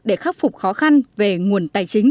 để khắc phục khó khăn về nguồn tài chính